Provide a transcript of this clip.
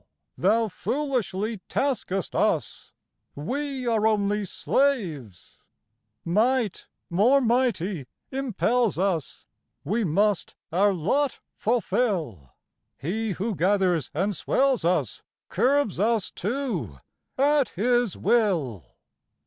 thou foolishly taskest us, we are only slaves; Might, more mighty, impels us, we must our lot fulfil, He who gathers and swells us curbs us, too, at His will.